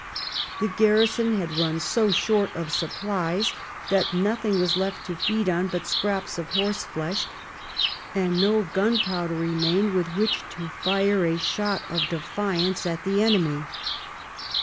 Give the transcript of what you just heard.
The gar rison had run so short of supplies that nothing was left to feed on but scraps of horse flesh, and no gunpowder remained with which to fire a shot of defiance at the enemy.